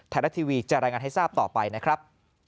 ไทยรัฐทีวีจะรายงานให้ทราบต่อไปนะครับ